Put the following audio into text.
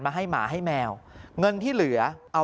เพราะคนที่เป็นห่วงมากก็คุณแม่ครับ